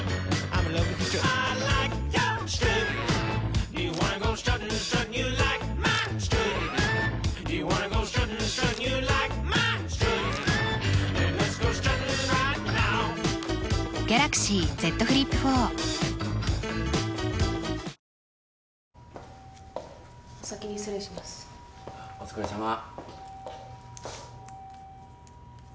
あっお疲れさま。